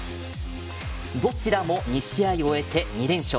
どちらも２試合終えて２連勝。